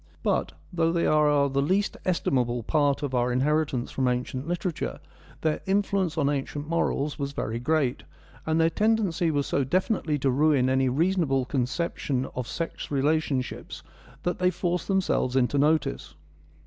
But, though they are the least estimable part of our inheritance from ancient literature, their influence on ancient morals was very great, and their tendency was so definitely to ruin any reasonable conception of sex relationships that they force themselves into notice.